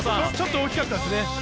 ちょっと大きかったですね。